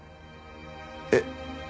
えっ。